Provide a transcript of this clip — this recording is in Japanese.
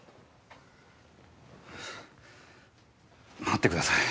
待ってください。